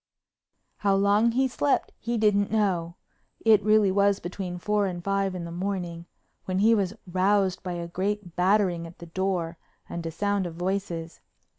How long he'd slept he didn't know—it really was between four and five in the morning—when he was roused by a great battering at the door and a sound of voices.